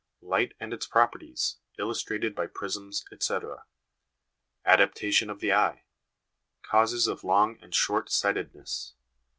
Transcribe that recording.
Light and its properties, illustrated by prisms, etc. ; adaptation of the eye ; causes of long and short sightedness.